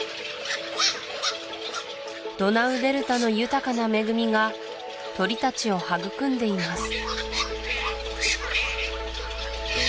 ドナウデルタの豊かな恵みが鳥たちを育んでいます